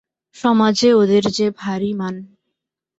সমাজে ওদের যে ভারি মান।